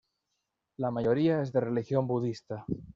La mayoría es de religión budista.